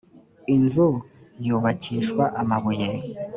inzu yubakishwa amabuye.